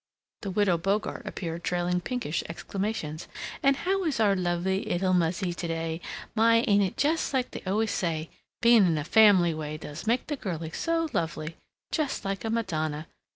The Widow Bogart appeared trailing pinkish exclamations, "And how is our lovely 'ittle muzzy today! My, ain't it just like they always say: being in a Family Way does make the girlie so lovely, just like a Madonna.